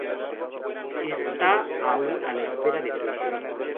Está aún a la espera de juicio.